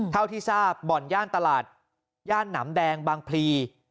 เท่าที่ทราบบ่อนย่านตลาดย่านหนำแดงบางพลี